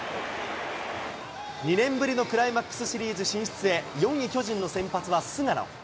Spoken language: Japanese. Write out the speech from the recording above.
２年ぶりのクライマックスシリーズ進出へ４位・巨人の先発は菅野。